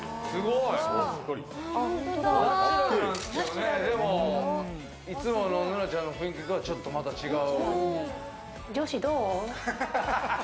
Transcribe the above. いつものノラちゃんの雰囲気とは、ちょっとまた違う。